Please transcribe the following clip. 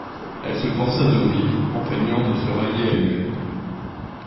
Elle se força de rire, en feignant de se railler elle-même.